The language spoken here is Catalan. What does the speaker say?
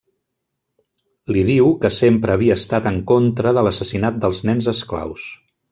Li diu que sempre havia estat en contra de l'assassinat dels nens esclaus.